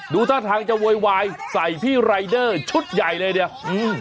ดูท่าทางจะโวยวายใส่พี่รายเดอร์ชุดใหญ่เลยเดี๋ยวอืม